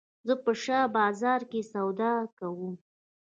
زه په شاه بازار کښي سودا کوم.